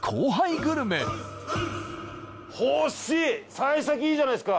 さい先いいじゃないですか。